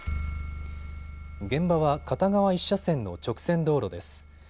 現場は片側１車線の直線道路です。